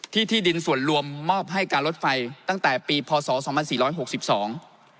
ที่ที่ดินส่วนรวมมอบให้การรถไฟตั้งแต่ปีพศสองพันสี่ร้อยหกสิบสอง